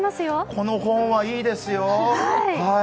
この本はいいですよ、はい。